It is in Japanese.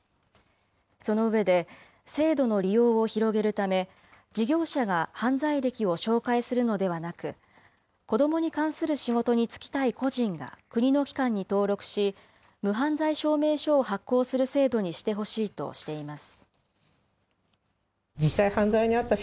その上で、制度の利用を広げるため、事業者が犯罪歴を照会するのではなく、子どもに関する仕事に就きたい個人が国の機関に登録し、無犯罪証明書を発行する制度にしてほしいとしています。